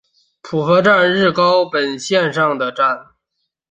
浦河站日高本线上的站。